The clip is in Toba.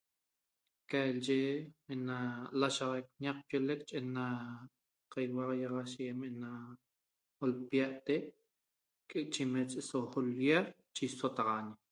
Calye ena lashaxaq na ñaqpioleq nache ena caihuaxahiaxasheguem ena calpiate chimet eso l'lia isotaxañe